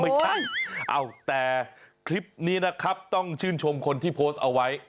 ไม่ใช่แต่คลิปนี้นะครับต้องชื่นชมคนที่โพสต์เอาไว้